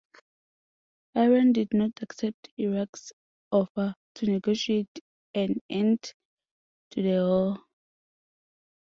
Iran did not accept Iraq's offer to negotiate an end to the war.